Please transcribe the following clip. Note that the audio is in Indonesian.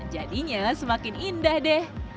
jadinya semakin indah deh